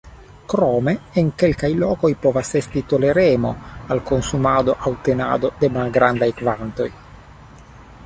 Krome en kelkaj lokoj povas esti toleremo al konsumado aŭ tenado de malgrandaj kvantoj.